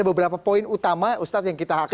ada beberapa poin utama ustaz yang kita akan lihat